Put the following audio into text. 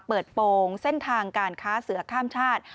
เปิดโปรงเส้นทางการค้าเสือข้ามชาติ